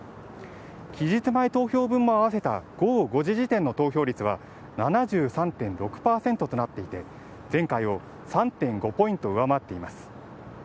期日前投票分も合わせて午後５時時点の投票率は７３．６％となっていて前回を３．５ポイント上回っています